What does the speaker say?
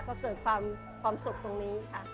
ก็เกิดความสุขตรงนี้ค่ะ